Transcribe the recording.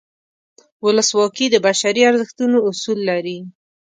ولسواکي د بشري ارزښتونو اصول لري.